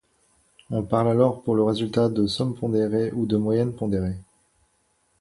On parle alors pour le résultat de somme pondérée ou de moyenne pondérée.